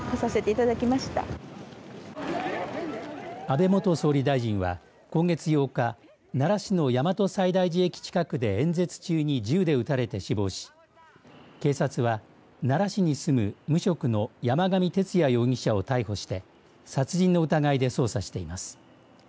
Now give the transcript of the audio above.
安倍元総理大臣は今月８日、奈良市の大和西大寺駅近くで演説中に銃で撃たれて死亡し警察は奈良市に住む無職の山上徹也容疑者を逮捕して殺人の疑いで捜査しています。